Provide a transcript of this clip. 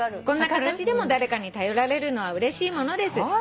「こんな形でも誰かに頼られるのはうれしいものです」